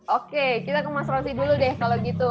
oke kita ke mas rosi dulu deh kalau gitu